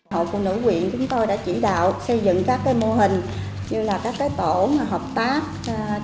hội phụ nữ quyền chúng tôi đã chỉ đạo xây dựng các mô hình như tổ hợp tác